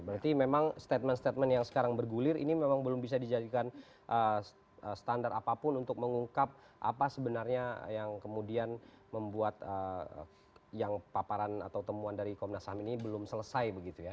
berarti memang statement statement yang sekarang bergulir ini memang belum bisa dijadikan standar apapun untuk mengungkap apa sebenarnya yang kemudian membuat yang paparan atau temuan dari komnas ham ini belum selesai begitu ya